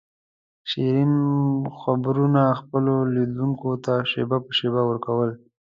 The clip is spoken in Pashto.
شیرین خبرونه خپلو لیدونکو ته شېبه په شېبه ور کول.